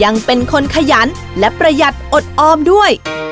ยังเป็นคนขยันและประหยัดอดออมด้วย